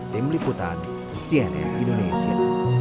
tim liputan cnn indonesia